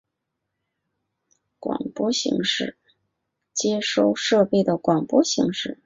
有线广播是一种通过金属导线或光纤将广播节目直接传送给用户接收设备的广播形式。